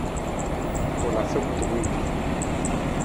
U la sa kutukun hiwung.